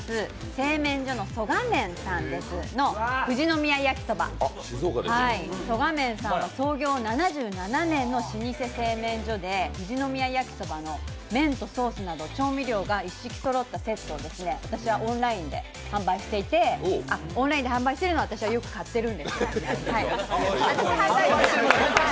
製麺所の曽我めんさんの富士宮やきそば、曽我めんさんは創業７７年の老舗製麺所で富士宮やきそばの麺とソースなど調味料が一式そろったセットでして私はオンラインで販売していてあっ、私はオンラインで販売しているのをよく買っていて。